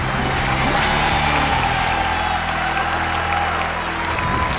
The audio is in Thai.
ดีสมาธิดี